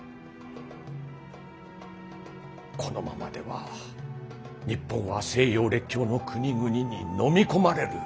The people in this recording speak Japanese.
このままでは日本は西洋列強の国々にのみ込まれる。